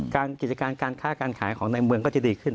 กิจการการค้าการขายของในเมืองก็จะดีขึ้น